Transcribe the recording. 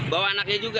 bawa anaknya juga